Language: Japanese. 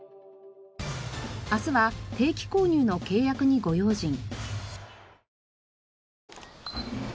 明日は定期購入の契約にご用心！